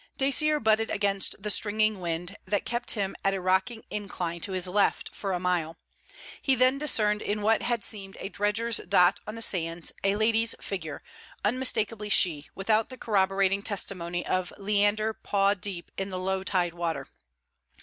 Dacier butted against the stringing wind, that kept him at a rocking incline to his left for a mile. He then discerned in what had seemed a dredger's dot on the sands, a lady's figure, unmistakably she, without the corroborating testimony of Leander paw deep in the low tide water.